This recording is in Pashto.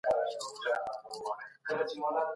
د کلتوري تبادلې رول څه و؟